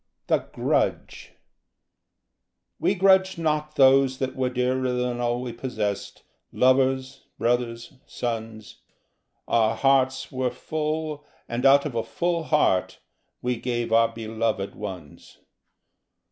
The Grudge _We grudged not those that were dearer than all we possessed, Lovers, brothers, sons. Our hearts were full, and out of a full heart We gave our beloved ones.